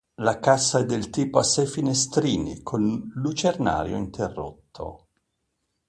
La cassa è del tipo a sei finestrini con lucernario interrotto.